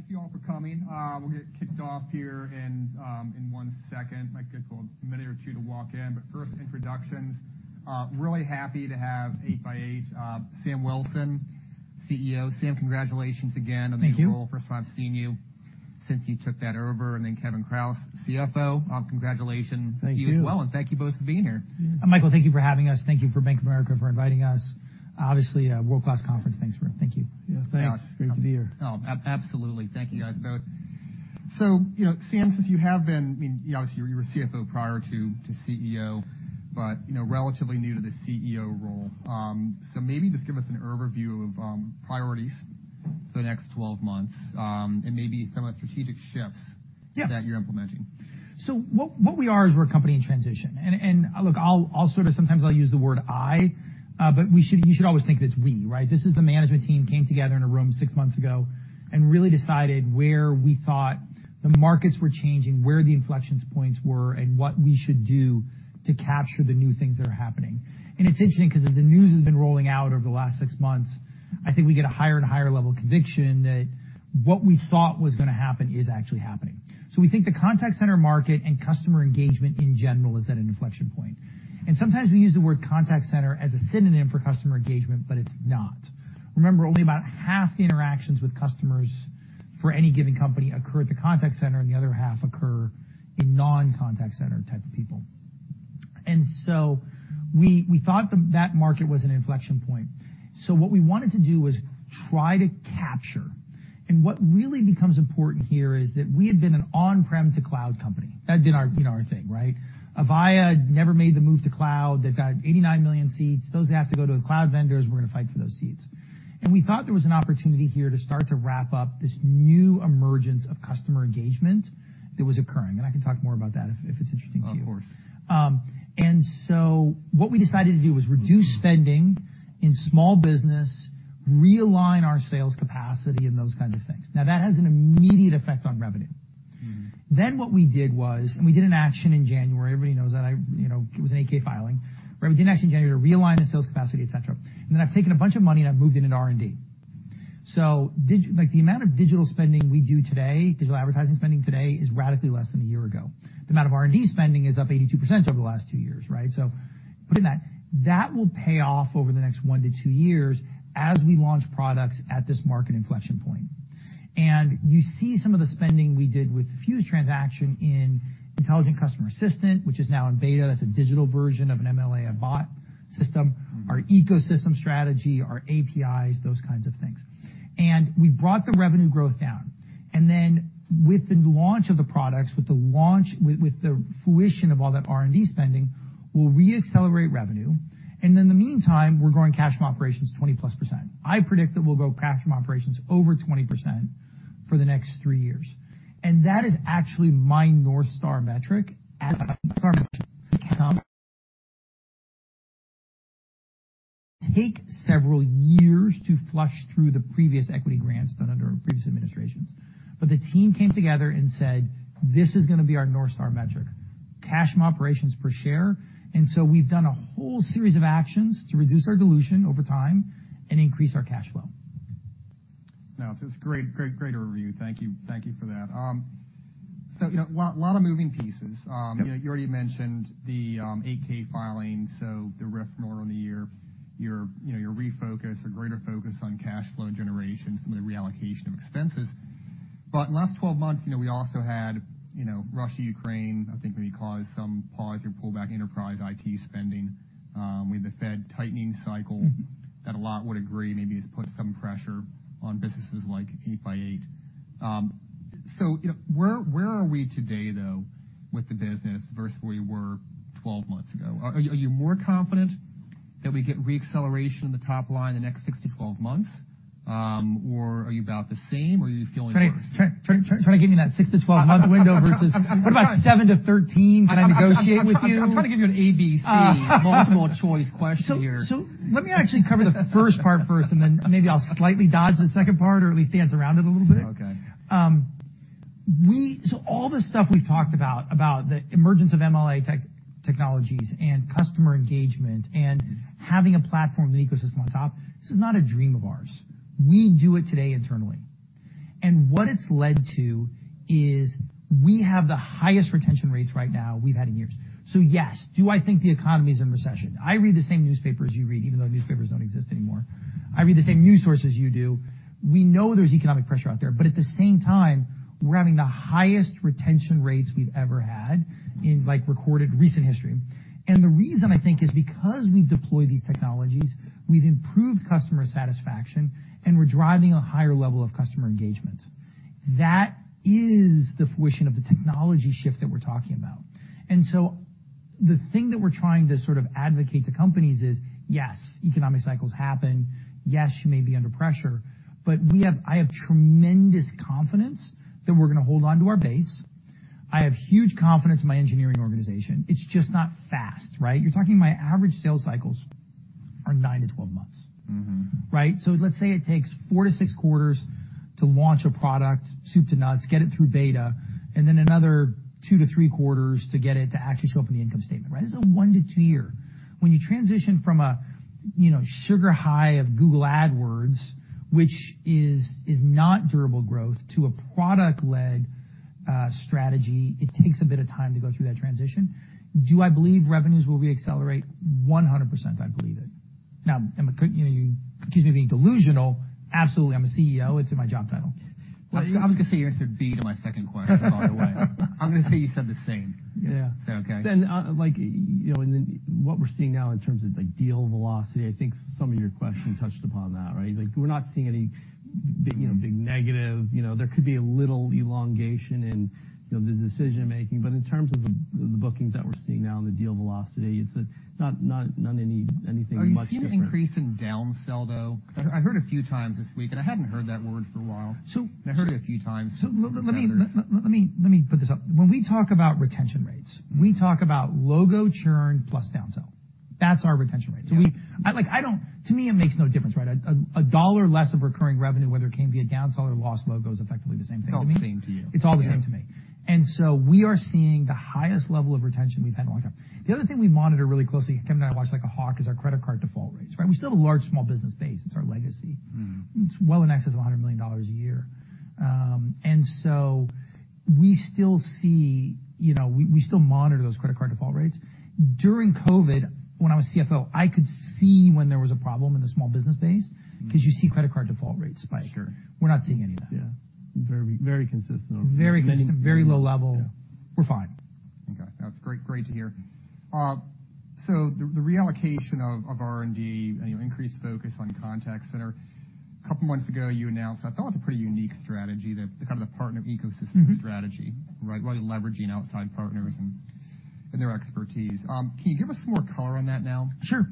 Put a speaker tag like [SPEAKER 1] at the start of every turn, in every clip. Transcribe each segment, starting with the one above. [SPEAKER 1] I thank you all for coming. We'll get kicked off here in one second. Might take a minute or two to walk in, but first, introductions. Really happy to have 8x8, Samuel Wilson, CEO. Sam, congratulations again.
[SPEAKER 2] Thank you.
[SPEAKER 1] I think we're all, first time seeing you since you took that over, and then Kevin Kraus, CFO. Congratulations- Thank you. -to you as well, and thank you both for being here.
[SPEAKER 2] Michael, thank you for having us. Thank you for Bank of America, for inviting us. Obviously, a world-class conference. Thanks for it. Thank you.
[SPEAKER 1] Yeah, thanks. Great to be here. Oh, absolutely. Thank you guys both. You know, Sam, since you have been, I mean, obviously, you were CFO prior to CEO, but, you know, relatively new to the CEO role. Maybe just give us an overview of priorities for the next 12 months, and maybe some of the strategic shifts-
[SPEAKER 2] Yeah.
[SPEAKER 1] that you're implementing.
[SPEAKER 2] What we are is we're a company in transition, and look, I'll sort of sometimes I'll use the word I, but you should always think it's we, right? This is the management team, came together in a room six months ago and really decided where we thought the markets were changing, where the inflection points were, and what we should do to capture the new things that are happening. It's interesting because as the news has been rolling out over the last six months, I think we get a higher and higher level of conviction that what we thought was gonna happen is actually happening. We think the contact center market and customer engagement in general is at an inflection point. Sometimes we use the word contact center as a synonym for customer engagement, but it's not. Remember, only about half the interactions with customers for any given company occur at the contact center, and the other half occur in non-contact center type of people. We thought that that market was an inflection point. What we wanted to do was try to capture... What really becomes important here is that we had been an on-prem to cloud company. That had been our, you know, our thing, right? Avaya never made the move to cloud. They've got 89 million seats. Those have to go to the cloud vendors. We're going to fight for those seats. We thought there was an opportunity here to start to wrap up this new emergence of customer engagement that was occurring, and I can talk more about that if it's interesting to you.
[SPEAKER 1] Of course.
[SPEAKER 2] What we decided to do was reduce spending in small business, realign our sales capacity, and those kinds of things. Now, that has an immediate effect on revenue.
[SPEAKER 1] Mm-hmm.
[SPEAKER 2] What we did was, we did an action in January. Everybody knows that. You know, it was an 8-K filing, where we did an action in January to realign the sales capacity, et cetera. I've taken a bunch of money, I've moved it into R&D. Like, the amount of digital spending we do today, digital advertising spending today, is radically less than a year ago. The amount of R&D spending is up 82% over the last two years, right? Putting that will pay off over the next one to two years as we launch products at this market inflection point. You see some of the spending we did with the Fuze transaction in Intelligent Customer Assistant, which is now in beta. That's a digital version of an ML/AI, a bot system.
[SPEAKER 1] Mm-hmm.
[SPEAKER 2] our ecosystem strategy, our APIs, those kinds of things. We brought the revenue growth down, and then with the launch of the products, with the launch, with the fruition of all that R&D spending, we'll reaccelerate revenue, and in the meantime, we're growing cash from operations 20+%. I predict that we'll grow cash from operations over 20% for the next 3 years, and that is actually my North Star metric as take several years to flush through the previous equity grants done under our previous administrations. The team came together and said, "This is going to be our North Star metric, cash from operations per share." We've done a whole series of actions to reduce our dilution over time and increase our cash flow.
[SPEAKER 1] It's great overview. Thank you. Thank you for that. You know, lot of moving pieces.
[SPEAKER 2] Yep.
[SPEAKER 1] You know, you already mentioned the 8-K filing, your refocus, a greater focus on cash flow generation, some of the reallocation of expenses. Last 12 months, you know, we also had, you know, Russia, Ukraine, I think, maybe caused some pause or pullback enterprise IT spending with the Fed tightening cycle.
[SPEAKER 2] Mm-hmm.
[SPEAKER 1] A lot would agree, maybe it's put some pressure on businesses like 8x8. You know, where are we today, though, with the business versus where you were 12 months ago? Are you more confident that we get reacceleration in the top line in the next 6 to 12 months, or are you about the same, or are you feeling worse?
[SPEAKER 2] Trying to give me that 6-to-12-month window versus what about 7 to 13? Can I negotiate with you?
[SPEAKER 1] I'm trying to give you an A, B, C- -multiple choice question here.
[SPEAKER 2] Let me actually cover the first part first, and then maybe I'll slightly dodge the second part, or at least dance around it a little bit.
[SPEAKER 1] Okay.
[SPEAKER 2] All the stuff we've talked about the emergence of ML/AI technologies and customer engagement and having a platform and ecosystem on top. This is not a dream of ours. We do it today internally. What it's led to is we have the highest retention rates right now we've had in years. Yes. Do I think the economy is in recession? I read the same newspaper as you read, even though newspapers don't exist anymore. I read the same news sources you do. We know there's economic pressure out there. At the same time, we're having the highest retention rates we've ever had in, like, recorded recent history. The reason, I think, is because we've deployed these technologies, we've improved customer satisfaction, and we're driving a higher level of customer engagement. That is the fruition of the technology shift that we're talking about. The thing that we're trying to sort of advocate to companies is, yes, economic cycles happen. Yes, you may be under pressure, but I have tremendous confidence that we're gonna hold on to our base. I have huge confidence in my engineering organization. It's just not fast, right? You're talking my average sales cycles are 9 to 12 months.
[SPEAKER 1] Mm-hmm.
[SPEAKER 2] Right? Let's say it takes 4 to 6 quarters to launch a product, soup to nuts, get it through beta, and then another 2 to 3 quarters to get it to actually show up in the income statement, right? This is a 1 to 2 year. When you transition from a, you know, sugar high of Google AdWords which is not durable growth to a product-led strategy, it takes a bit of time to go through that transition. Do I believe revenues will reaccelerate? 100%, I believe it. Am I, you know, you accuse me of being delusional? Absolutely, I'm a CEO. It's in my job title.
[SPEAKER 1] I was going to say, you answered B to my second question, by the way. I'm going to say you said the same.
[SPEAKER 2] Yeah.
[SPEAKER 1] Is that okay?
[SPEAKER 2] Like, you know, what we're seeing now in terms of, like, deal velocity, I think some of your question touched upon that, right? Like, we're not seeing any big, you know, big negative. There could be a little elongation in, you know, the decision-making, but in terms of the bookings that we're seeing now and the deal velocity, it's not anything much different.
[SPEAKER 1] Are you seeing an increase in down-sell, though? I heard a few times this week, and I hadn't heard that word for a while.
[SPEAKER 2] So-
[SPEAKER 1] I heard it a few times from vendors.
[SPEAKER 2] Let me put this up. When we talk about retention rates, we talk about logo churn plus down-sell. That's our retention rate.
[SPEAKER 1] Yeah.
[SPEAKER 2] I like, To me, it makes no difference, right? A $1 less of recurring revenue, whether it came via down-sell or lost logo, is effectively the same thing to me.
[SPEAKER 1] It's all the same to you.
[SPEAKER 2] It's all the same to me.
[SPEAKER 1] Yeah.
[SPEAKER 2] We are seeing the highest level of retention we've had in a long time. The other thing we monitor really closely, Kevin and I watch like a hawk, is our credit card default rates, right? We still have a large small business base. It's our legacy.
[SPEAKER 1] Mm-hmm.
[SPEAKER 2] It's well in excess of $100 million a year. We still see, you know, we still monitor those credit card default rates. During COVID, when I was CFO, I could see when there was a problem in the small business base.
[SPEAKER 1] Mm.
[SPEAKER 2] cause you'd see credit card default rates spike.
[SPEAKER 1] Sure.
[SPEAKER 2] We're not seeing any of that.
[SPEAKER 1] Yeah. Very, very consistent over the many-
[SPEAKER 2] Very consistent. Very low level.
[SPEAKER 1] Yeah.
[SPEAKER 2] We're fine.
[SPEAKER 1] Okay, that's great to hear. The reallocation of R&D and, you know, increased focus on contact center, a couple of months ago, you announced, I thought it was a pretty unique strategy, the kind of the partner ecosystem.
[SPEAKER 2] Mm-hmm.
[SPEAKER 1] -strategy, right? Really leveraging outside partners and their expertise. Can you give us some more color on that now?
[SPEAKER 2] Sure.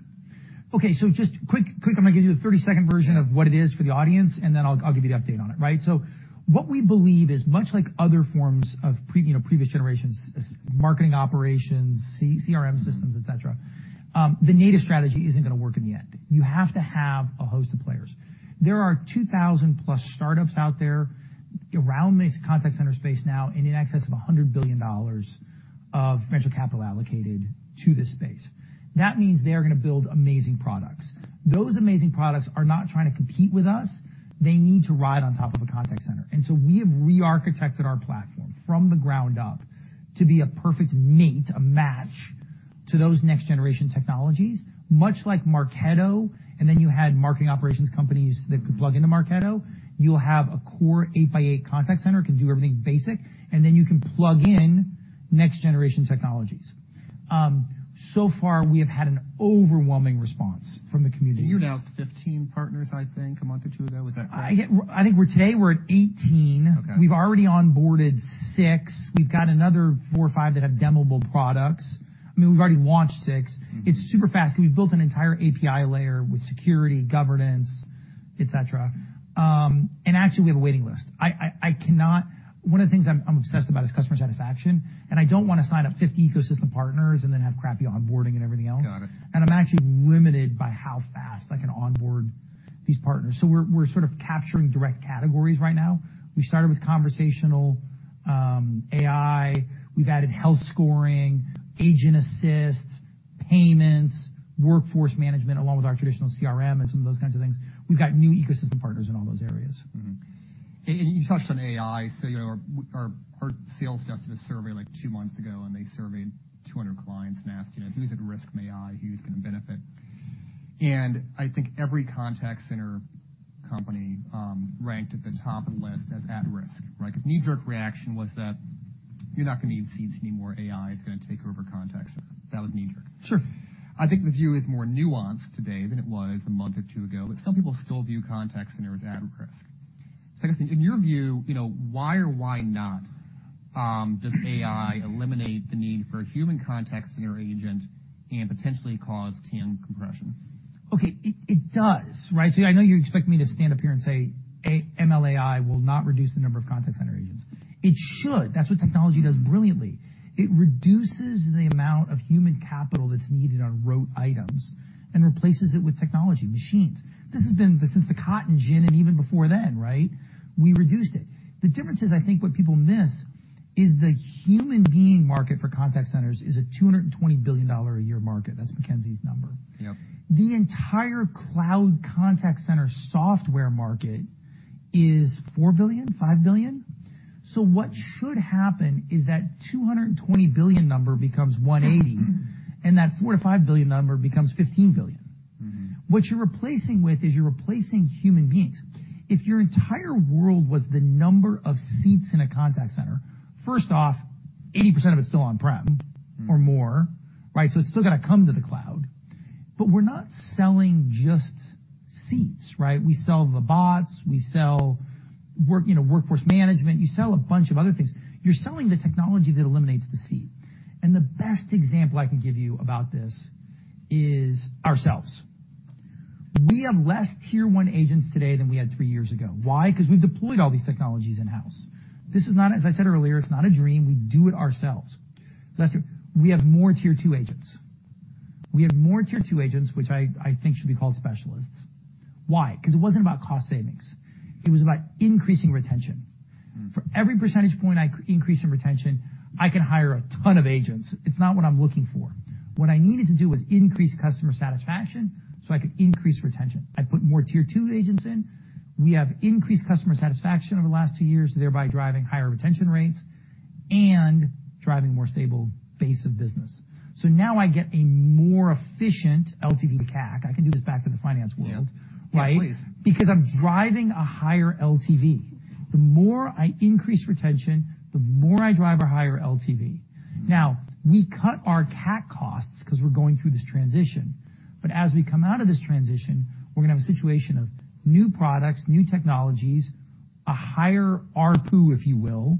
[SPEAKER 2] Okay, so just quick, I'm going to give you the 30-second version.
[SPEAKER 1] Yeah.
[SPEAKER 2] of what it is for the audience, and then I'll give you the update on it, right? What we believe is much like other forms of you know, previous generations, marketing operations, CRM systems.
[SPEAKER 1] Mm-hmm.
[SPEAKER 2] et cetera, the native strategy isn't going to work in the end. You have to have a host of players. There are 2,000+ startups out there around this contact center space now and in excess of $100 billion of venture capital allocated to this space. That means they're going to build amazing products. Those amazing products are not trying to compete with us. They need to ride on top of a contact center. We have rearchitected our platform from the ground up to be a perfect mate, a match, to those next-generation technologies. Much like Marketo, you had marketing operations companies that could plug into Marketo, you'll have a core 8x8 contact center, can do everything basic, and then you can plug in next-generation technologies. So far, we have had an overwhelming response from the community.
[SPEAKER 1] You announced 15 partners, I think, a month or two ago. Was that right?
[SPEAKER 2] I think today we're at 18.
[SPEAKER 1] Okay.
[SPEAKER 2] We've already onboarded six. We've got another four or five that have demoable products. I mean, we've already launched six.
[SPEAKER 1] Mm-hmm.
[SPEAKER 2] It's super fast, we've built an entire API layer with security, governance, et cetera. Actually, we have a waiting list. One of the things I'm obsessed about is customer satisfaction, and I don't want to sign up 50 ecosystem partners and then have crappy onboarding and everything else.
[SPEAKER 1] Got it.
[SPEAKER 2] I'm actually limited by how fast I can onboard these partners, so we're sort of capturing direct categories right now. We started with conversational AI. We've added health scoring, Agent Assist, payments, workforce management, along with our traditional CRM and some of those kinds of things. We've got new ecosystem partners in all those areas.
[SPEAKER 1] You touched on AI. you know, our sales did a survey, like, two months ago, and they surveyed 200 clients and asked, you know, who's at risk from AI? Who's going to benefit? I think every contact center company ranked at the top of the list.
[SPEAKER 2] Mm.
[SPEAKER 1] as at risk, right? Cause knee-jerk reaction was that you're not going to need seats anymore, AI is going to take over contact center. That was knee-jerk.
[SPEAKER 2] Sure.
[SPEAKER 1] I think the view is more nuanced today than it was a month or two ago, but some people still view contact centers as at risk. I was thinking, in your view, you know, why or why not, does AI eliminate the need for a human contact center agent and potentially cause TAM compression?
[SPEAKER 2] Okay. It does, right? I know you expect me to stand up here and say ML/AI will not reduce the number of contact center agents. It should. That's what technology does brilliantly.
[SPEAKER 1] Mm.
[SPEAKER 2] It reduces the amount of human capital that's needed on rote items and replaces it with technology, machines. This has been since the cotton gin and even before then, right? We reduced it. The difference is, I think what people miss is the human being market for contact centers is a $220 billion a year market. That's McKinsey's number.
[SPEAKER 1] Yep.
[SPEAKER 2] The entire cloud contact center software market is $4 to 5 billion? What should happen is that $220 billion number becomes $180-.
[SPEAKER 1] Mm-hmm.
[SPEAKER 2] That $4 to 5 billion number becomes $15 billion.
[SPEAKER 1] Mm-hmm.
[SPEAKER 2] What you're replacing with is you're replacing human beings. If your entire world was the number of seats in a contact center, first off, 80% of it's still on prem.
[SPEAKER 1] Mm.
[SPEAKER 2] It's still going to come to the cloud. We're not selling just seats, right? We sell the bots. We sell work, you know, workforce management. You sell a bunch of other things. You're selling the technology that eliminates the seat. The best example I can give you about this is ourselves. We have less tier one agents today than we had three years ago. Why? Cause we've deployed all these technologies in-house. This is not, as I said earlier, it's not a dream. We do it ourselves. That's it. We have more tier two agents. We have more tier two agents, which I think should be called specialists. Why? Cause it wasn't about cost savings. It was about increasing retention. For every percentage point I increase in retention, I can hire a ton of agents. It's not what I'm looking for. What I needed to do was increase customer satisfaction so I could increase retention. I put more tier 2 agents in. We have increased customer satisfaction over the last 2 years, thereby driving higher retention rates and driving a more stable base of business. Now I get a more efficient LTV to CAC. I can do this back to the finance world. Yeah. Right? Yeah, please. I'm driving a higher LTV, the more I increase retention, the more I drive a higher LTV. We cut our CAC costs because we're going through this transition, but as we come out of this transition, we're going to have a situation of new products, new technologies, a higher ARPU, if you will,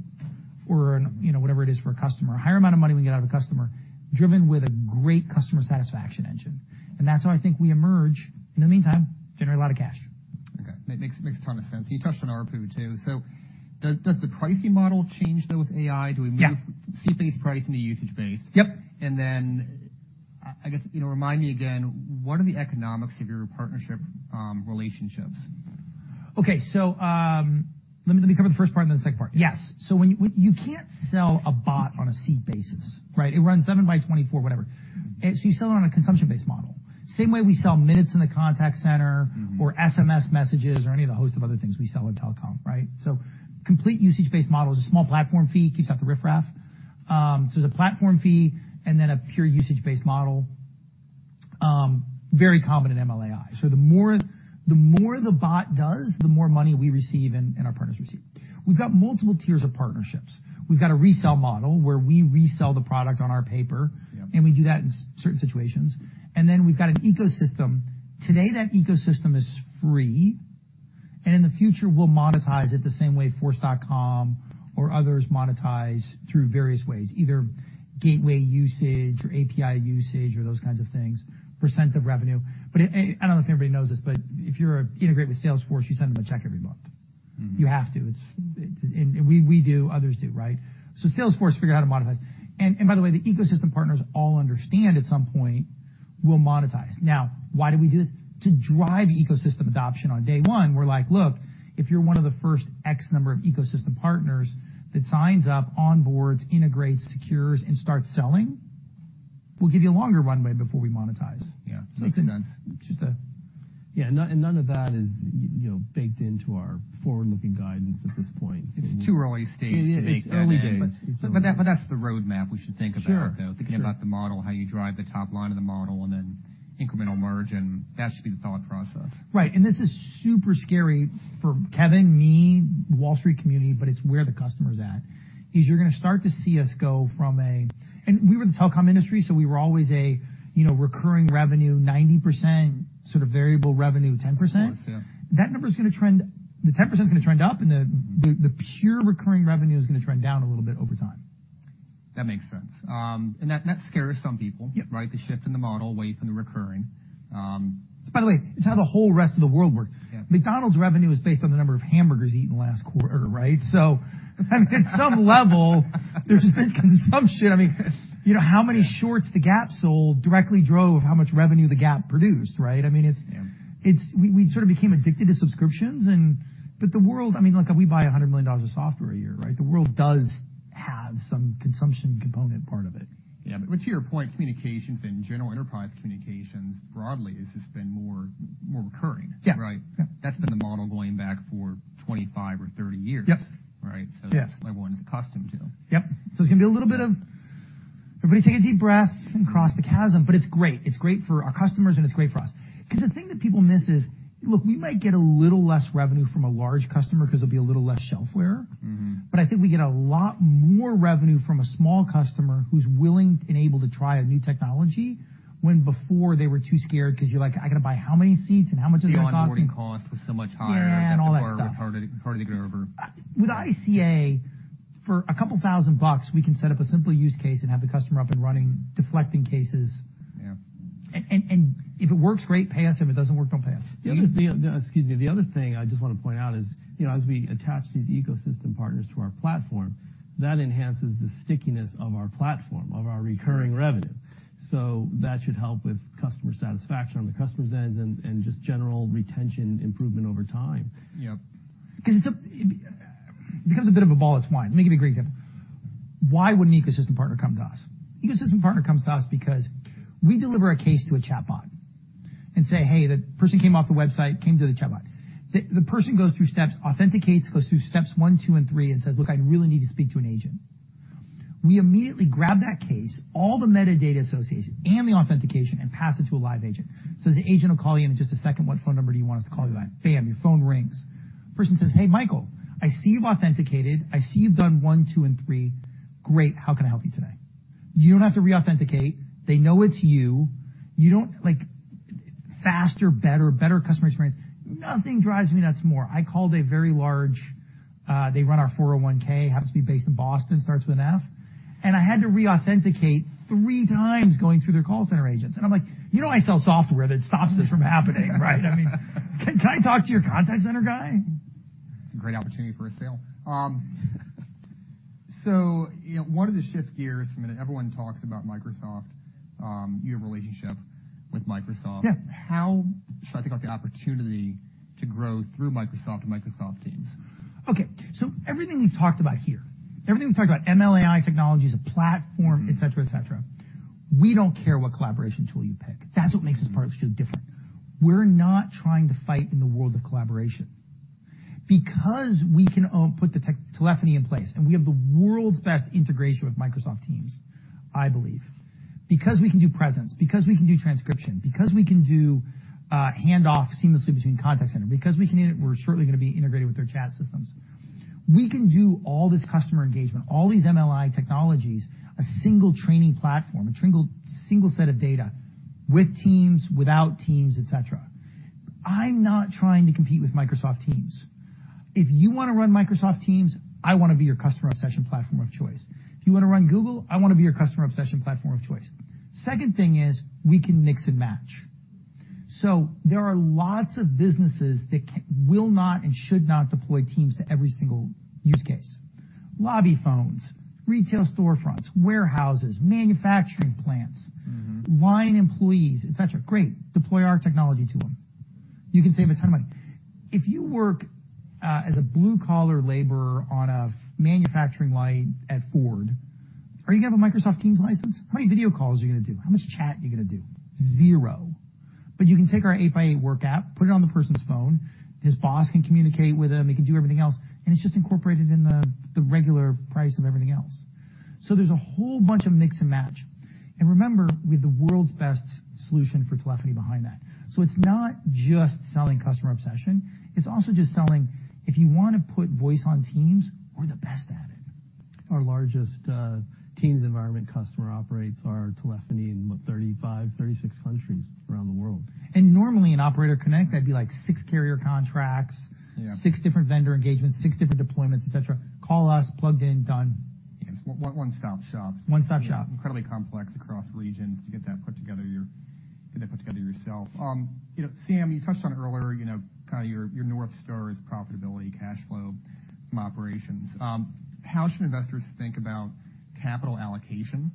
[SPEAKER 2] or an, you know, whatever it is for a customer, a higher amount of money we get out of a customer, driven with a great customer satisfaction engine, and that's how I think we emerge. In the meantime, generate a lot of cash. Makes a ton of sense, and you touched on ARPU, too. Does the pricing model change, though, with AI? Yeah. Do we move from seat-based pricing to usage-based? Yep. I guess, you know, remind me again, what are the economics of your partnership relationships? Let me, let me cover the first part, and then the second part. Yes. When you can't sell a bot on a seat basis, right? It runs 7 by 24, whatever. You sell it on a consumption-based model. Same way we sell minutes in the contact center or SMS messages or any of the host of other things we sell in telecom, right? Complete usage-based model is a small platform fee, keeps out the riffraff. There's a platform fee and then a pure usage-based model. Very common in ML/AI. The more the bot does, the more money we receive and our partners receive. We've got multiple tiers of partnerships. We've got a resell model, where we resell the product on our paper and we do that in certain situations, and then we've got an ecosystem. Today, that ecosystem is free. In the future, we'll monetize it the same way Force.com or others monetize through various ways, either gateway usage or API usage or those kinds of things, % of revenue. I don't know if everybody knows this, but if you're integrated with Salesforce, you send them a check every month. Mm-hmm. You have to. We, we do, others do, right? Salesforce figured out how to monetize. By the way, the ecosystem partners all understand at some point we'll monetize. Why do we do this? To drive ecosystem adoption on day one, we're like, "Look, if you're one of the first X number of ecosystem partners that signs up on boards, integrates, secures, and starts selling, we'll give you a longer runway before we monetize." Yeah, makes sense. Yeah, and none of that is, you know, baked into our forward-looking guidance at this point. It's too early stage to bake that in. It's early days. That's the roadmap. We should think about, though. Sure. Thinking about the model, how you drive the top line of the model, and then incremental margin. That should be the thought process. This is super scary for Kevin, me, Wall Street community, but it's where the customer's at, is you're going to start to see us go from a... We were the telecom industry, so we were always a, you know, recurring revenue, 90%, sort of variable revenue, 10%. Of course, yeah. That number is going to trend... The 10% is going to trend up. The pure recurring revenue is going to trend down a little bit over time. That makes sense. That, that scares some people. Yep. Right? The shift in the model away from the recurring. By the way, it's how the whole rest of the world works. Yeah. McDonald's revenue is based on the number of hamburgers eaten last quarter, right? At some level, there's been consumption. I mean, you know, how many shorts The Gap sold directly drove how much revenue The Gap produced, right? I mean, Yeah. It's. We sort of became addicted to subscriptions. The world, I mean, look, we buy $100 million of software a year, right? The world does have some consumption component part of it. Yeah, but to your point, communications and general enterprise communications broadly has just been more, more recurring. Yeah. Right? Yeah. That's been the model going back for 25 or 30 years. Yep. Right? Yeah. That's what everyone's accustomed to. Yep. It's going to be a little bit of, everybody take a deep breath and cross the chasm, but it's great. It's great for our customers, and it's great for us. The thing that people miss is, look, we might get a little less revenue from a large customer because there'll be a little less shelf wear. Mm-hmm. I think we get a lot more revenue from a small customer who's willing and able to try a new technology when before they were too scared because you're like, "I got to buy how many seats, and how much is it costing?" Yeah, onboarding cost was so much higher. Yeah, and all that stuff. Harder to get over. With ICA, for a couple thousand bucks, we can set up a simple use case and have the customer up and running, deflecting cases. Yeah. If it works great, pay us. If it doesn't work, don't pay us. The other thing. Excuse me. The other thing I just want to point out is, you know, as we attach these ecosystem partners to our platform, that enhances the stickiness of our platform, of our recurring revenue. Sure. That should help with customer satisfaction on the customer's ends and just general retention improvement over time. Yep. Cause it's a, it becomes a bit of a ball of twine. Let me give you a great example. Why would an ecosystem partner come to us? Ecosystem partner comes to us because we deliver a case to a chatbot and say, "Hey, the person came off the website, came to the chatbot." The person goes through steps, authenticates, goes through steps 1, 2, and 3 and says, "Look, I really need to speak to an agent." We immediately grab that case, all the metadata association and the authentication, and pass it to a live agent. Says, "The agent will call you in just a second. What phone number do you want us to call you back?" Bam, your phone rings. Person says, "Hey, Michael, I see you've authenticated. I see you've done 1, 2, and 3. Great. How can I help you today?" You don't have to reauthenticate. They know it's you. You don't like... Faster, better customer experience. Nothing drives me nuts more. I called a very large... They run our 401(k), happens to be based in Boston, starts with an F, and I had to reauthenticate three times going through their call center agents, and I'm like, You know, I sell software that stops this from happening, right? I mean, can I talk to your contact center guy? It's a great opportunity for a sale....
[SPEAKER 1] you know, wanted to shift gears for a minute. Everyone talks about Microsoft, your relationship with Microsoft.
[SPEAKER 2] Yeah.
[SPEAKER 1] How should I think about the opportunity to grow through Microsoft and Microsoft Teams?
[SPEAKER 2] Okay, everything we've talked about here, ML/AI technologies, a platform.
[SPEAKER 1] Mm-hmm.
[SPEAKER 2] et cetera, et cetera, we don't care what collaboration tool you pick. That's what makes us partially different. We're not trying to fight in the world of collaboration. We can put the telephony in place, and we have the world's best integration with Microsoft Teams, I believe, because we can do presence, because we can do transcription, because we can do handoff seamlessly between contact center, because we're shortly going to be integrated with their chat systems, we can do all this customer engagement, all these ML/AI technologies, a single training platform, a single set of data with Teams, without Teams, et cetera. I'm not trying to compete with Microsoft Teams. If you want to run Microsoft Teams, I want to be your customer obsession platform of choice. If you want to run Google, I want to be your customer obsession platform of choice. Second thing is, we can mix and match. There are lots of businesses that will not and should not deploy Teams to every single use case. Lobby phones, retail storefronts, warehouses, manufacturing plants.
[SPEAKER 1] Mm-hmm.
[SPEAKER 2] -line employees, et cetera, great. Deploy our technology to them. You can save a ton of money. If you work as a blue-collar laborer on a manufacturing line at Ford, are you going to have a Microsoft Teams license? How many video calls are you going to do? How much chat are you going to do? zero. You can take our 8x8 Work app, put it on the person's phone, his boss can communicate with him, he can do everything else, and it's just incorporated in the regular price of everything else. There's a whole bunch of mix and match. Remember, we have the world's best solution for telephony behind that. It's not just selling customer obsession, it's also just selling, if you want to put voice on Teams, we're the best at it.
[SPEAKER 3] Our largest Teams environment customer operates our telephony in, what, 35, 36 countries around the world.
[SPEAKER 2] Normally, in Operator Connect, that'd be, like, six carrier contracts.
[SPEAKER 3] Yeah.
[SPEAKER 2] 6 different vendor engagements, 6 different deployments, et cetera. Call us, plugged in, done.
[SPEAKER 1] Yeah, one-stop shop.
[SPEAKER 2] One-stop shop.
[SPEAKER 1] Incredibly complex across regions to get that put together yourself. You know, Sam, you touched on it earlier, you know, kind of your North Star is profitability, cash flow from operations. How should investors think about capital allocation?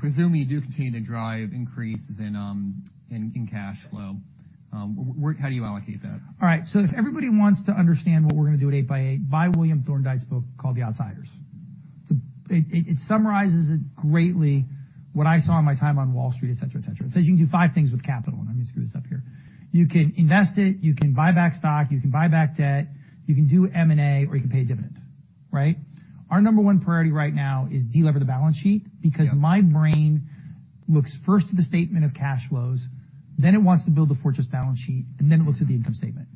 [SPEAKER 1] Presuming you do continue to drive increases in cash flow, where, how do you allocate that?
[SPEAKER 2] All right, if everybody wants to understand what we're gonna do at 8x8, buy William Thorndike's book called The Outsiders. It summarizes it greatly what I saw in my time on Wall Street, et cetera, et cetera. It says you can do five things with capital, and let me screw this up here. You can invest it, you can buy back stock, you can buy back debt, you can do M&A, or you can pay a dividend, right? Our number one priority right now is delever the balance sheet.
[SPEAKER 1] Yeah.
[SPEAKER 2] My brain looks first to the statement of cash flows, then it wants to build the fortress balance sheet, and then it looks at the income statement.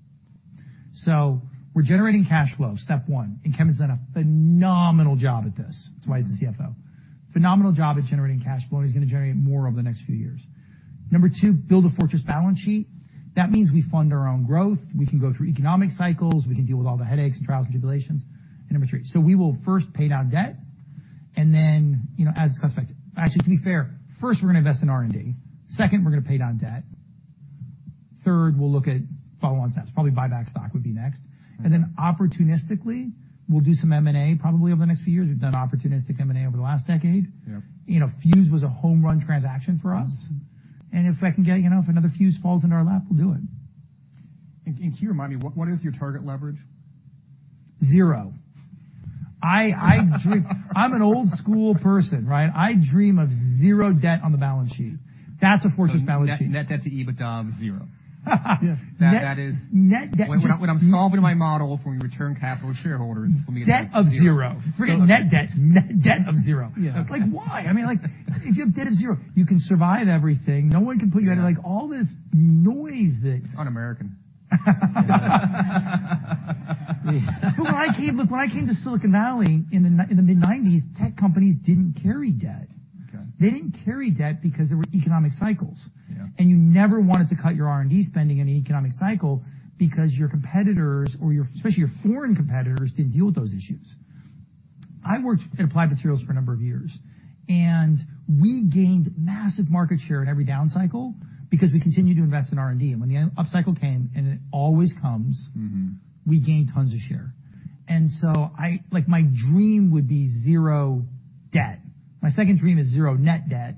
[SPEAKER 2] We're generating cash flow, step one, and Kevin's done a phenomenal job at this.
[SPEAKER 1] Mm-hmm.
[SPEAKER 2] That's why he's the CFO. Phenomenal job at generating cash flow, and he's gonna generate more over the next few years. Number two, build a fortress balance sheet. That means we fund our own growth. We can go through economic cycles, we can deal with all the headaches and trials and tribulations. Number three. We will first pay down debt, and then, you know, to be fair, first, we're gonna invest in R&D. Second, we're gonna pay down debt. Third, we'll look at follow-on steps. Probably buy back stock would be next.
[SPEAKER 1] Mm-hmm.
[SPEAKER 2] Opportunistically, we'll do some M&A probably over the next few years. We've done opportunistic M&A over the last decade.
[SPEAKER 1] Yep.
[SPEAKER 2] You know, Fuze was a home run transaction for us.
[SPEAKER 1] Mm-hmm.
[SPEAKER 2] If I can get, you know, if another Fuze falls into our lap, we'll do it.
[SPEAKER 1] Can you remind me, what is your target leverage?
[SPEAKER 2] 0. I'm an old school person, right? I dream of 0 debt on the balance sheet. That's a fortress balance sheet.
[SPEAKER 1] Net, net debt to EBITDA is 0.
[SPEAKER 3] Yes.
[SPEAKER 1] That.
[SPEAKER 2] Net debt-
[SPEAKER 1] When I'm solving my model for return capital to shareholders.
[SPEAKER 2] Debt of 0.
[SPEAKER 1] So-
[SPEAKER 2] Freaking net debt of zero.
[SPEAKER 3] Yeah.
[SPEAKER 2] Like, why? I mean, like, if you have debt of zero, you can survive everything. No one can put you out of-
[SPEAKER 1] Yeah.
[SPEAKER 2] Like, all this noise.
[SPEAKER 1] It's un-American.
[SPEAKER 2] When I came to Silicon Valley in the mid-90s, tech companies didn't carry debt.
[SPEAKER 1] Okay.
[SPEAKER 2] They didn't carry debt because there were economic cycles.
[SPEAKER 1] Yeah.
[SPEAKER 2] You never wanted to cut your R&D spending in an economic cycle because your competitors or your, especially your foreign competitors, didn't deal with those issues. I worked at Applied Materials for a number of years. We gained massive market share in every down cycle because we continued to invest in R&D. When the up cycle came, and it always comes.
[SPEAKER 1] Mm-hmm...
[SPEAKER 2] we gained tons of share. Like, my dream would be zero debt. My second dream is zero net debt.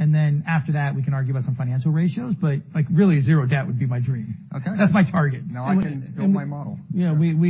[SPEAKER 1] Okay.
[SPEAKER 2] After that, we can argue about some financial ratios, but, like, really, zero debt would be my dream.
[SPEAKER 1] Okay.
[SPEAKER 2] That's my target.
[SPEAKER 1] Now I can build my model.
[SPEAKER 3] I mean,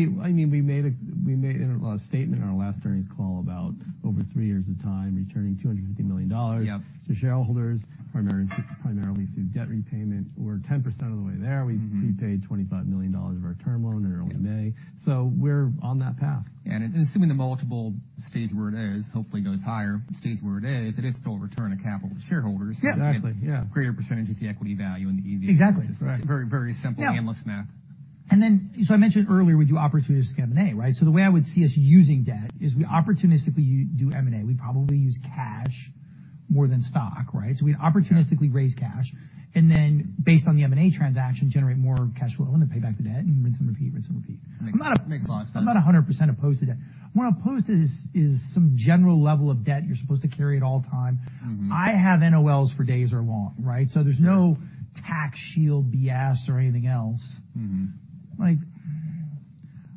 [SPEAKER 3] we made a, we made a statement on our last earnings call about over 3 years of time, returning $250 million.
[SPEAKER 2] Yep
[SPEAKER 3] to shareholders, primarily through debt repayment. We're 10% of the way there.
[SPEAKER 2] Mm-hmm.
[SPEAKER 3] We prepaid $25 million of our term loan in early May.
[SPEAKER 2] Yeah.
[SPEAKER 3] We're on that path.
[SPEAKER 1] Assuming the multiple stays where it is, hopefully goes higher, but stays where it is, it is still a return of capital to shareholders.
[SPEAKER 2] Yeah.
[SPEAKER 3] Exactly, yeah.
[SPEAKER 1] Greater percentage is the equity value in the EV.
[SPEAKER 2] Exactly.
[SPEAKER 3] Correct.
[SPEAKER 1] Very, very simple, painless math.
[SPEAKER 2] I mentioned earlier, we do opportunistic M&A, right? The way I would see us using debt is we opportunistically do M&A. We'd probably use cash more than stock, right? We'd.
[SPEAKER 1] Yeah
[SPEAKER 2] Opportunistically raise cash, and then based on the M&A transaction, generate more cash flow, and then pay back the debt and rinse and repeat. I'm not...
[SPEAKER 1] Makes a lot of sense.
[SPEAKER 2] I'm not 100% opposed to debt. What I'm opposed to is some general level of debt you're supposed to carry at all time.
[SPEAKER 1] Mm-hmm.
[SPEAKER 2] I have NOLs for days are long, right?
[SPEAKER 1] Yeah.
[SPEAKER 2] There's no tax shield BS or anything else.
[SPEAKER 1] Mm-hmm.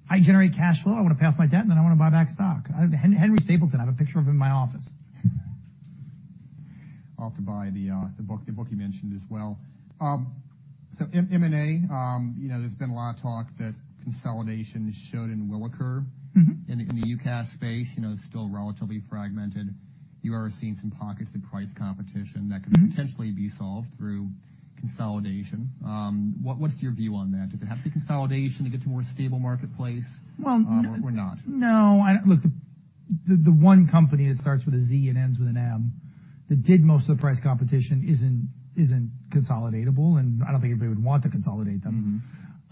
[SPEAKER 2] I generate cash flow, I want to pay off my debt, and then I want to buy back stock. I... Henry Singleton, I have a picture of him in my office.
[SPEAKER 1] I'll have to buy the book you mentioned as well. M&A, you know, there's been a lot of talk that consolidation is showed and will occur.
[SPEAKER 2] Mm-hmm.
[SPEAKER 1] -In the UCaaS space, you know, it's still relatively fragmented. You are seeing some pockets of price competition that could-
[SPEAKER 2] Mm-hmm.
[SPEAKER 1] potentially be solved through consolidation. What's your view on that? Does it have to be consolidation to get to a more stable marketplace?
[SPEAKER 2] Well-
[SPEAKER 1] or not?
[SPEAKER 2] No, Look, the one company that starts with a Z and ends with an M, that did most of the price competition isn't consolidatable, and I don't think anybody would want to consolidate them.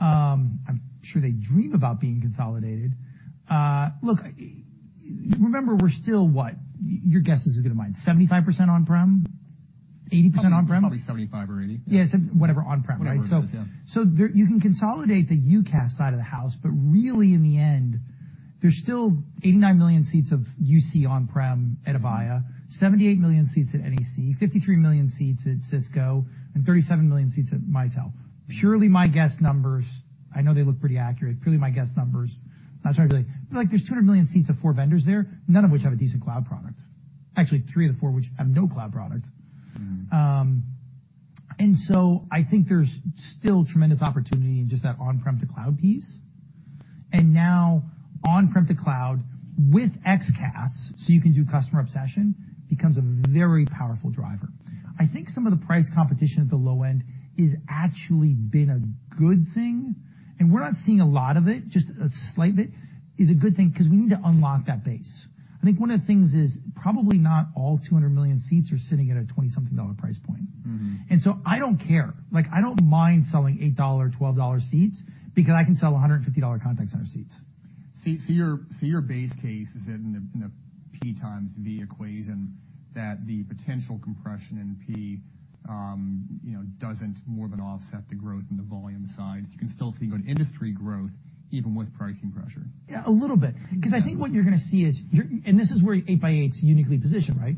[SPEAKER 1] Mm-hmm.
[SPEAKER 2] I'm sure they dream about being consolidated. Look, remember, we're still, what? Your guess is as good as mine, 75% on-prem, 80% on-prem?
[SPEAKER 1] Probably 75 or 80.
[SPEAKER 2] Yeah, whatever, on-prem, right?
[SPEAKER 1] Whatever, yeah.
[SPEAKER 2] There, you can consolidate the UCaaS side of the house, but really, in the end, there's still 89 million seats of UC on-prem at Avaya, 78 million seats at NEC, 53 million seats at Cisco, and 37 million seats at Mitel. Purely my guess numbers, I know they look pretty accurate, purely my guess numbers. I'm not trying to be like... Like, there's 200 million seats of four vendors there, none of which have a decent cloud product. Actually, three of the four, which have no cloud product.
[SPEAKER 1] Mm-hmm.
[SPEAKER 2] I think there's still tremendous opportunity in just that on-prem to cloud piece. Now, on-prem to cloud with XCaaS, so you can do customer obsession, becomes a very powerful driver. I think some of the price competition at the low end is actually been a good thing, and we're not seeing a lot of it, just a slight bit, is a good thing because we need to unlock that base. I think one of the things is probably not all 200 million seats are sitting at a $20-something price point.
[SPEAKER 1] Mm-hmm.
[SPEAKER 2] I don't care. Like, I don't mind selling $8, $12 seats because I can sell $150 contact center seats.
[SPEAKER 1] Your base case is in the, in the P times V equation, that the potential compression in P, you know, doesn't more of an offset the growth in the volume side. You can still see good industry growth, even with pricing pressure?
[SPEAKER 2] Yeah, a little bit.
[SPEAKER 1] Yeah.
[SPEAKER 2] I think what you're gonna see is, and this is where 8x8 is uniquely positioned, right?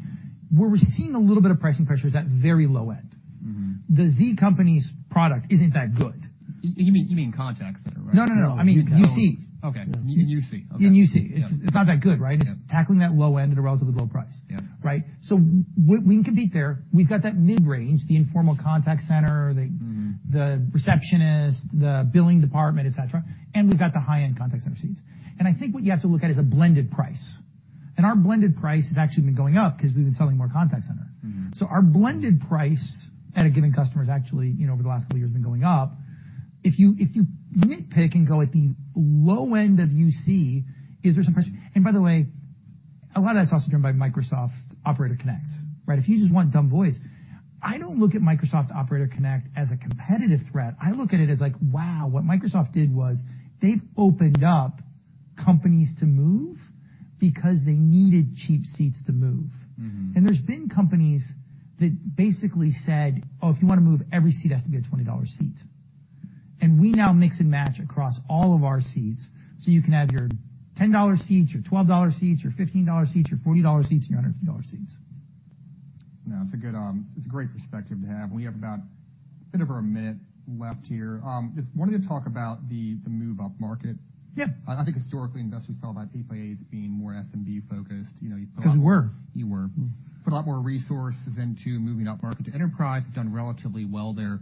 [SPEAKER 2] Where we're seeing a little bit of pricing pressure is at very low end.
[SPEAKER 1] Mm-hmm.
[SPEAKER 2] The Z company's product isn't that good.
[SPEAKER 1] You mean contact center, right?
[SPEAKER 2] No, no.
[SPEAKER 1] Okay.
[SPEAKER 2] I mean, UC.
[SPEAKER 1] Okay, UC.
[SPEAKER 2] In UC.
[SPEAKER 1] Yeah.
[SPEAKER 2] It's not that good, right?
[SPEAKER 1] Yeah.
[SPEAKER 2] It's tackling that low end at a relatively low price.
[SPEAKER 1] Yeah.
[SPEAKER 2] Right? We can compete there. We've got that mid-range, the informal contact center.
[SPEAKER 1] Mm-hmm.
[SPEAKER 2] the receptionist, the billing department, et cetera, and we've got the high-end contact center seats. I think what you have to look at is a blended price, and our blended price has actually been going up because we've been selling more contact center.
[SPEAKER 1] Mm-hmm.
[SPEAKER 2] Our blended price at a given customer is actually, you know, over the last couple of years, been going up. If you nitpick and go at the low end of UC, is there some pressure? By the way, a lot of that's also driven by Microsoft Operator Connect, right? If you just want dumb voice, I don't look at Microsoft Operator Connect as a competitive threat. I look at it as like, wow, what Microsoft did was, they've opened up companies to move because they needed cheap seats to move.
[SPEAKER 1] Mm-hmm.
[SPEAKER 2] There's been companies that basically said: "Oh, if you want to move, every seat has to be a $20 seat." We now mix and match across all of our seats, so you can have your $10 seats, your $12 seats, your $15 seats, your $40 seats, your $100 seats.
[SPEAKER 1] No, it's a good, it's a great perspective to have. We have about a bit over a minute left here. Just wanted to talk about the move upmarket.
[SPEAKER 2] Yeah.
[SPEAKER 1] I think historically, investors saw that 8x8 as being more SMB focused, you know.
[SPEAKER 2] 'Cause we were.
[SPEAKER 1] You were.
[SPEAKER 2] Mm-hmm.
[SPEAKER 1] Put a lot more resources into moving upmarket to enterprise, done relatively well there.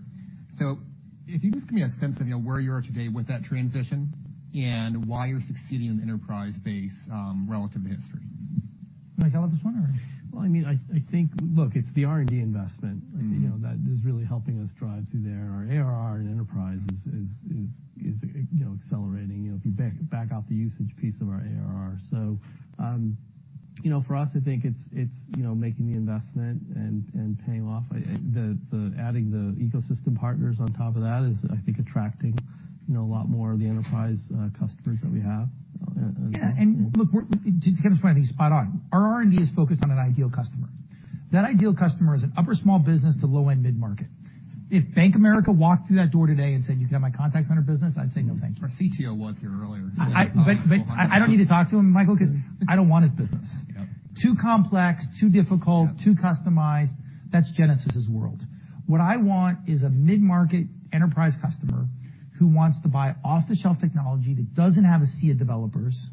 [SPEAKER 1] If you just give me a sense of, you know, where you are today with that transition and why you're succeeding in the enterprise space, relative to history.
[SPEAKER 2] Like, I'll just wonder.
[SPEAKER 3] Well, I mean, I think, look, it's the R&D.
[SPEAKER 1] Mm-hmm.
[SPEAKER 3] You know, that is really helping us drive through there. Our ARR in enterprise is, you know, accelerating, you know, if you back out the usage piece of our ARR. You know, for us, I think it's, you know, making the investment and paying off. I, the adding the ecosystem partners on top of that is, I think, attracting, you know, a lot more of the enterprise customers that we have.
[SPEAKER 2] Yeah, look, to get us running spot on, our R&D is focused on an ideal customer. That ideal customer is an upper small business to low-end mid-market. If Bank of America walked through that door today and said, "You got my contact center business?" I'd say, "No, thank you.
[SPEAKER 1] Our CTO was here earlier.
[SPEAKER 2] I don't need to talk to him, Michael, 'cause I don't want his business.
[SPEAKER 1] Yep.
[SPEAKER 2] Too complex, too difficult.
[SPEAKER 1] Yeah.
[SPEAKER 2] too customized. That's Genesys's world. What I want is a mid-market enterprise customer who wants to buy off-the-shelf technology that doesn't have a sea of developers,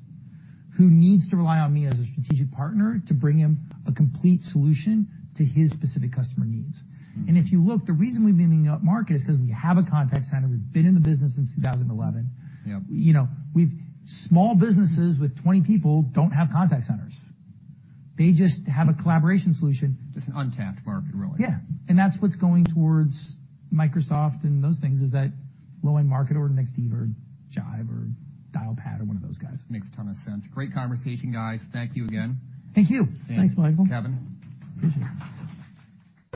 [SPEAKER 2] who needs to rely on me as a strategic partner to bring him a complete solution to his specific customer needs.
[SPEAKER 1] Mm-hmm.
[SPEAKER 2] If you look, the reason we've been upmarket is because we have a contact center. We've been in the business since 2011.
[SPEAKER 1] Yep.
[SPEAKER 2] You know, small businesses with 20 people don't have contact centers. They just have a collaboration solution.
[SPEAKER 1] Just an untapped market, really.
[SPEAKER 2] Yeah, that's what's going towards Microsoft and those things, is that low-end market or next to Jive or Dialpad or one of those guys.
[SPEAKER 1] Makes a ton of sense. Great conversation, guys. Thank you again.
[SPEAKER 2] Thank you.
[SPEAKER 3] Thanks, Michael.
[SPEAKER 1] Kevin?
[SPEAKER 2] Appreciate it.